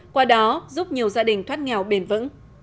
qua đó giúp nhiều gia đình thoát nghèo bền vững